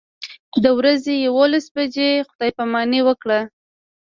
د ورځې یوولس بجې خدای پاماني وکړه.